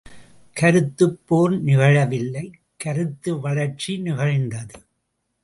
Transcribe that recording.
கருத்துப் போர் நிகழவில்லை.கருத்து வளர்ச்சி நிகழ்ந்தது.